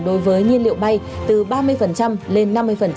đối với nhiên liệu bay từ ba mươi lên năm mươi